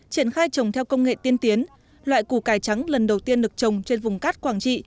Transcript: triển khai trồng theo công nghệ tiên tiến loại củ cải trắng lần đầu tiên được trồng trên vùng cát quảng trị